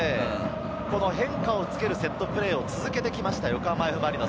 変化をつけるセットプレーを続けてきました、横浜Ｆ・マリノス。